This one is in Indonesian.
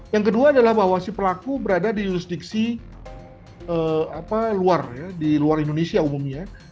yang kedua adalah bahwa si pelaku berada di jurisdiksi di luar indonesia umumnya